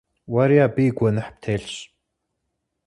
Уэри абы и гуэныхь птелъщ.